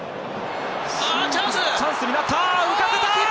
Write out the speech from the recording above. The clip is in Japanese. チャンスになった！